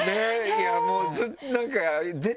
いやもうなんか。